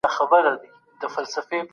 په ټولنه کي د لنډې مودې بدلونونه راغلل.